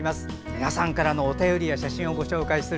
皆さんからのお便りや写真をご紹介する「